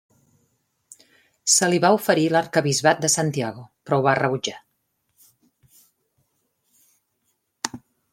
Se li va oferir l'arquebisbat de Santiago, però ho va rebutjar.